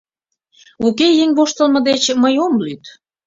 Уке, еҥ воштылмо деч мый ом лӱд.